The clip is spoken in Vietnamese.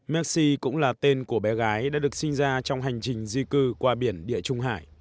merci cũng là tên của bé gái đã được sinh ra trong hành trình di cư